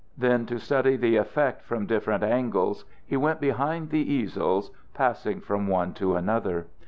Then, to study the effect from different angles, he went behind the easels, passing from one to another.